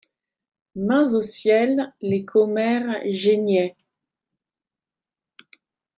Mains au ciel, les commères geignaient.